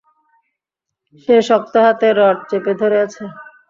সে শক্ত হাতে রড চেপে ধরে আছে।